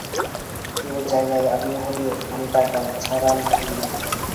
তোর জায়গায় আমি হলে আমি টাকা ছাড়া মারি না।